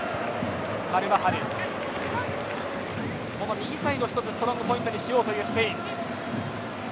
右サイドをストロングポイントにしようというスペイン。